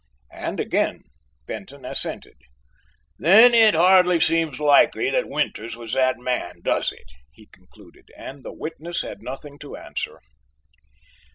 and again Benton assented. "Then it hardly seems likely that Winters was that man, does it?" he concluded, and the witness had nothing to answer.